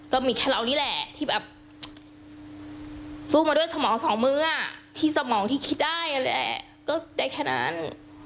ก็มีแค่เรานี่แหละที่แบบสู้มาด้วยสมองสองเมื่อที่สมองที่คิดได้นั่นแหละก็ได้แค่นั้น